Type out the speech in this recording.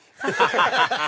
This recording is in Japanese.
ハハハハ！